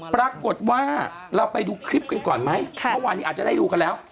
ปรากฏว่าเราไปดูคลิปกันก่อนไหมเมื่อวานนี้อาจจะได้ดูกันแล้ว